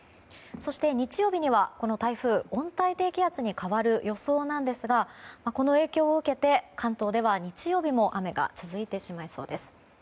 そして、日曜日にはこの台風温帯低気圧に変わる予想なんですがこの影響を受けて関東では日曜日も雨が続いてしまいそうです。